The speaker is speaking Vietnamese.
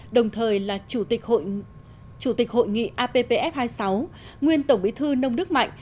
đồng thời là chủ tịch hội nghị appf hai mươi sáu nguyên tổng bí thư nông đức mạnh